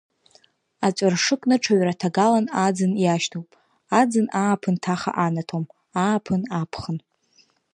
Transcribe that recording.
Аҵәыршы кны ҽаҩраҭагалан аӡын иашьҭоуп, аӡын ааԥын ҭаха анаҭом, ааԥын аԥхын.